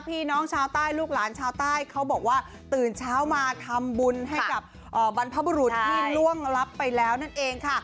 พี่น้องชาวใต้ลูกหลานชาวใต้เขาบอกว่าตื่นเช้ามาทำบุญให้กับบรรพบุรุษที่ล่วงลับไปแล้วนั่นเองค่ะ